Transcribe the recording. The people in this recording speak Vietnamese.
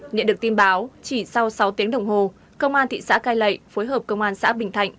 nhận được tin báo chỉ sau sáu tiếng đồng hồ công an thị xã cai lệ phối hợp công an xã bình thạnh